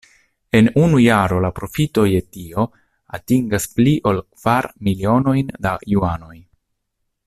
En unu jaro la profito je tio atingas pli ol kvar milionojn da juanoj.